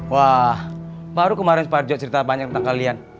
wah baru kemarin parjo cerita banyak tentang kalian